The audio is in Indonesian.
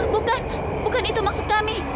bukan bukan itu maksud kami